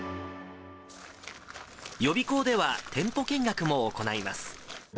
予備校では店舗見学も行います。